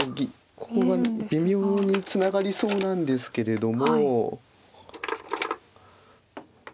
ここが微妙にツナがりそうなんですけれども。